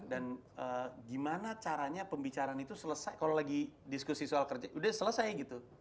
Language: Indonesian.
dan gimana caranya pembicaraan itu selesai kalau lagi diskusi soal kerja udah selesai gitu